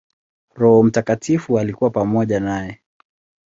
Roho Mtakatifu alikuwa pamoja naye.